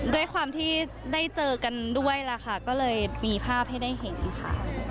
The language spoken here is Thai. ด้วยความที่ได้เจอกันด้วยล่ะค่ะก็เลยมีภาพให้ได้เห็นค่ะ